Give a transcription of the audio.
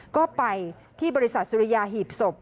ก็ไปที่บริษัทสุริยาหีบศพ